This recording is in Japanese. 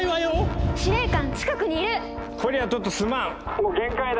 「もう限界だ！